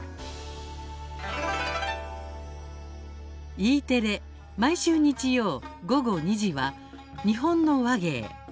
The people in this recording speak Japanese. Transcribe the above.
Ｅテレ毎週日曜午後２時は「日本の話芸」。